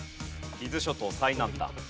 伊豆諸島最南端。